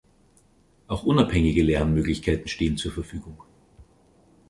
Auch unabhängige Lernmöglichkeiten stehen zur Verfügung.